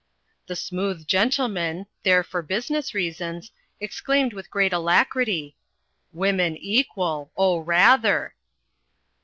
The Smooth Gentleman, there for business reasons, exclaimed with great alacrity, "Women equal! Oh, rather!"